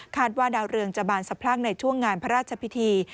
ว่าดาวเรืองจะบานสะพรั่งในช่วงงานพระราชพิธี